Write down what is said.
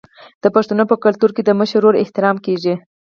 د پښتنو په کلتور کې د مشر ورور احترام کیږي.